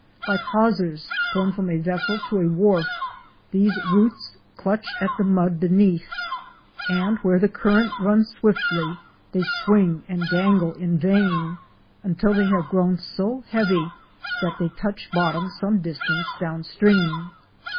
Like hawsers thrown from a vessel to a wharf these roots clutch at the mud beneath, but where the current runs swiftly they swing and dangle in vain, until they have grown so heavy that they touch bottom some distance downstream.